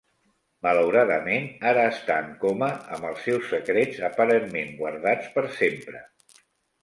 Malauradament, ara està en coma, amb els seus secrets aparentment guardats per sempre.